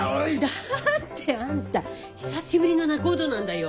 だってあんた久しぶりの仲人なんだよ。